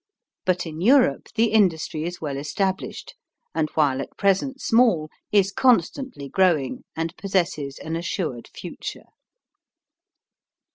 But in Europe the industry is well established, and while at present small, is constantly growing and possesses an assured future.